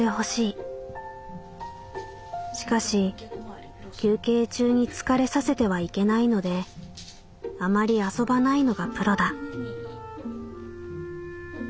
しかし休憩中に疲れさせてはいけないのであまり遊ばないのがプロだ」。